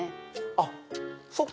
あっそっか。